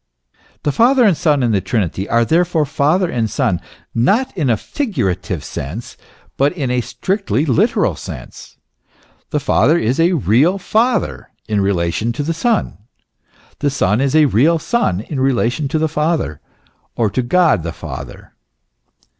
The Father and Son in the Trinity are therefore father and son not in a figurative sense, but in a strictly literal sense. The Father is a real father in relation to the Son, the Son is a real son in relation to the Father, or to God as the Father.